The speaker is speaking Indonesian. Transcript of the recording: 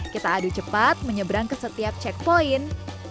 kita adu cepat menyeberang ke setiap checkpoint